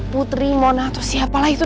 putri mona atau siapalah itu